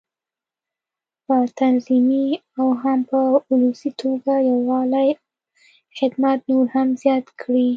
په تنظيمي او هم په ولسي توګه یووالی او خدمت نور هم زیات کړي.